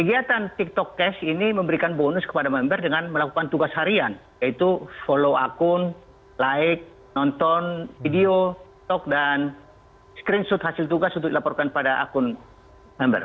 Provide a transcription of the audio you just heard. kegiatan tiktok cash ini memberikan bonus kepada member dengan melakukan tugas harian yaitu follow akun like nonton video talk dan screenshot hasil tugas untuk dilaporkan pada akun member